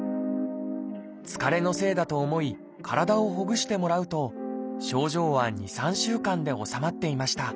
疲れのせいだと思い体をほぐしてもらうと症状は２３週間で治まっていました。